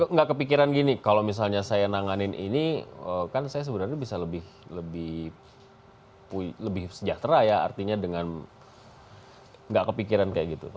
nggak kepikiran gini kalau misalnya saya nanganin ini kan saya sebenarnya bisa lebih sejahtera ya artinya dengan nggak kepikiran kayak gitu